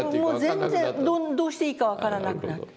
もう全然どうしていいか分からなくなった。